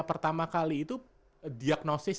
pertama kali itu diagnosis